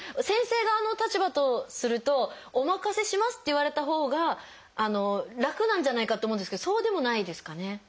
先生側のお立場とすると「お任せします」って言われたほうが楽なんじゃないかと思うんですけどそうでもないですかね？